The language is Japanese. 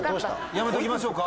やめときましょうか？